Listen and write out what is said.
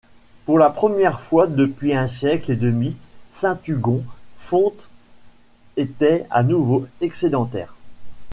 Pour la première fois depuis un siècle et demi, Saint-Hugon-fonte était à nouveau excédentaire.